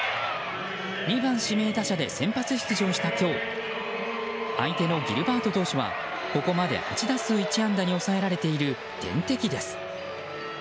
２番指名打者で先発出場した今日相手のギルバート投手はここまで８打数１安打に抑えられている天敵です。